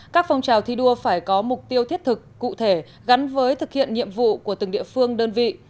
các phong trào thi đua phải có mục tiêu thiết thực cụ thể gắn với thực hiện nhiệm vụ của từng địa phương đơn vị